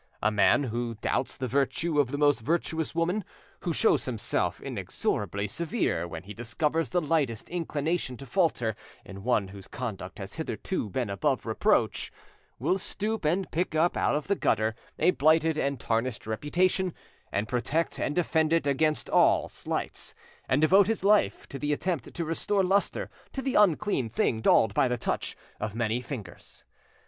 A man who doubts the virtue of the most virtuous woman, who shows himself inexorably severe when he discovers the lightest inclination to falter in one whose conduct has hitherto been above reproach, will stoop and pick up out of the gutter a blighted and tarnished reputation and protect and defend it against all slights, and devote his life to the attempt to restore lustre to the unclean thing dulled by the touch of many fingers.